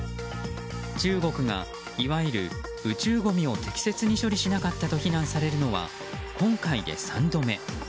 中国がいわゆる宇宙ごみを適切に処理しなかったと非難されるのは今回で３度目。